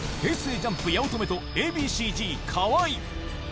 ＪＵＭＰ・八乙女と、Ａ．Ｂ．ＣーＺ・河井。